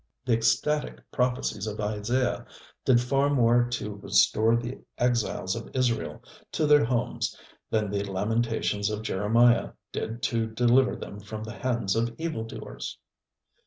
The ecstatic prophecies of Isaiah did far more to restore the exiles of Israel to their homes than the lamentations of Jeremiah did to deliver them from the hands of evil doers.